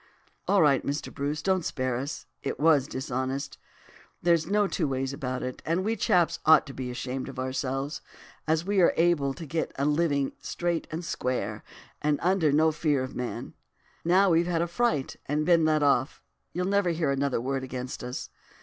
"'All right, Mr. Bruce, don't spare us. It was dishonest, there's no two ways about it, and we chaps ought to be ashamed of ourselves, as are well able to get a living straight and square, and under fear of no man. Now we've had a fright and been let off you'll never hear another word against us.